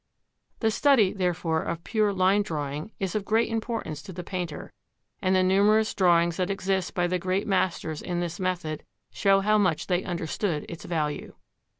The study, therefore, of pure line drawing is of great importance to the painter, and the numerous drawings that exist by the great masters in this method show how much they understood its value.